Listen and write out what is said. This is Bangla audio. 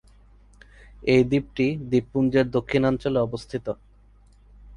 এই দ্বীপটি দ্বীপপুঞ্জের দক্ষিণাঞ্চলে অবস্থিত।